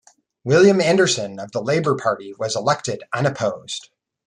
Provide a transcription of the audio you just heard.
William Anderson of the Labour Party was elected unopposed.